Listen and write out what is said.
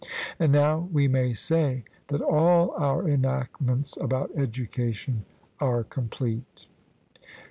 And now we may say that all our enactments about education are complete.